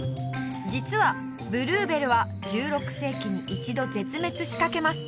実はブルーベルは１６世紀に一度絶滅しかけます